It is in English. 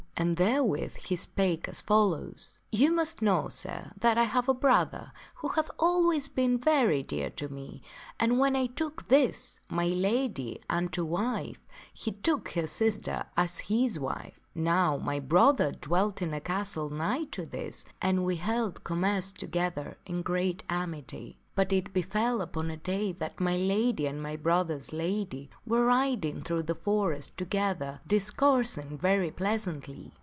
And therewith he spake as follows: " You must know, sir, that I have a brother who hath always been very dear to me, and when I took this, my lady, unto wife, he took her sister as his wife. " Now, my brother dwelt in a castle nigh to this, and we held commerce 2 9 o THE STORY OF SIR GAWAINE together in great amity. But it befell upon a day that my lady and my The lord of the brother's lady were riding through this forest together dis castie telieth the coursing very pleasantly.